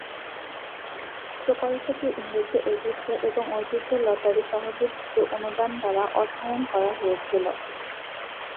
প্রকল্পটি ইংরেজি ঐতিহ্য এবং ঐতিহ্য লটারি তহবিল থেকে অনুদান দ্বারা অর্থায়ন করা হয়েছিল।